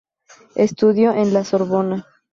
Estudió en la Sorbona.